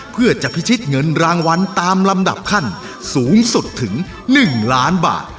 เพื่อจะพิชิตเงินรางวัลตามลำดับขั้นสูงสุดถึง๑ล้านบาท